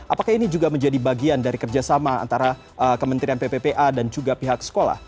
apakah ini juga menjadi bagian dari kerjasama antara kementerian pppa dan juga pihak sekolah